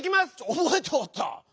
おぼえておった！